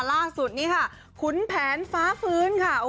ล่าสุดนี้ค่ะขุนแผนฟ้าฟื้นค่ะ